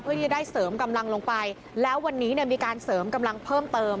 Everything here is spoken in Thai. เพื่อที่จะได้เสริมกำลังลงไปแล้ววันนี้เนี่ยมีการเสริมกำลังเพิ่มเติม